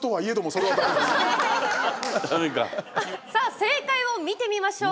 正解を見てみましょう。